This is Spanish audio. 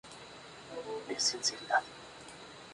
Le pidió al dios Brahmá la bendición de ser inmortal.